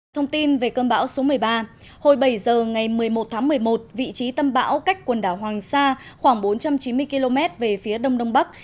thông tin về cơn bão số một mươi ba hồi bảy giờ ngày một mươi một tháng một mươi một vị trí tâm bão cách quần đảo hoàng sa khoảng bốn trăm chín mươi km về phía đông đông bắc